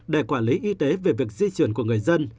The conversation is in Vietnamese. để quản lý y tế về việc di chuyển của người dân